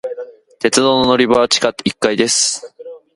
鉄道の乗り場は地下一階です。